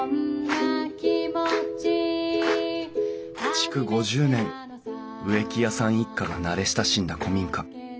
築５０年植木屋さん一家が慣れ親しんだ古民家。